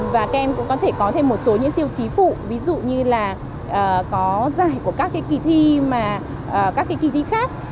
và kem cũng có thể có thêm một số những tiêu chí phụ ví dụ như là có giải của các kỳ thi khác